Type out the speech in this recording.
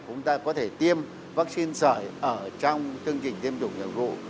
chúng ta có thể tiêm vaccine sởi ở trong chương trình tiêm chủng nhiệm vụ